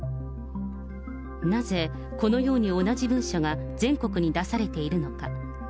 なぜこのように同じ文書が全国に出されているのか。